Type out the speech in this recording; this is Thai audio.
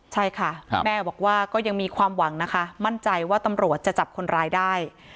ใช่ค่ะแม่บอกว่าก็ยังมีความหวังนะคะมั่นใจว่าตำรวจจะจับคนร้ายได้